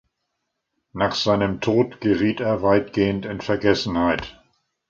Nach seinem Tod geriet er weitgehend in Vergessenheit.